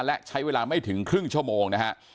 และใช้เวลาไม่ถึงครึ่งชั่วโมงนะฮะ